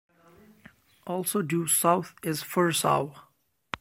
Also due south is Firsov.